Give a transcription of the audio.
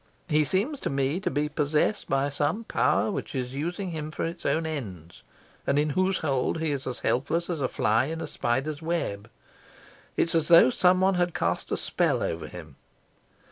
He seems to me to be possessed by some power which is using him for its own ends, and in whose hold he is as helpless as a fly in a spider's web. It's as though someone had cast a spell over him.